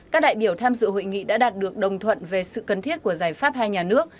các đại biểu tham dự hội nghị đã đạt được đồng thuận về sự cần thiết của giải pháp hai nhà nước